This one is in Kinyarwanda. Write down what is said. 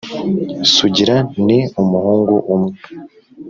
Sugira ni umuhungu umwe